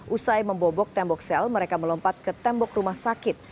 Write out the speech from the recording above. usai membobok tembok sel mereka melompat ke tembok rumah sakit